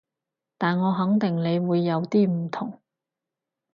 但我肯定你會有啲唔同